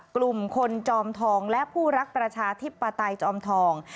กลุ่มคนจอมทองและผู้รักประชาธิปไตยจอมทอง